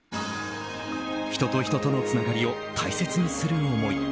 人と人とのつながりを大切にする思い。